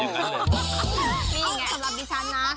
อ๋อสำหรับดิฉันน่ะ